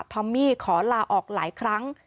อมมี่ขอลาออกหลายครั้ง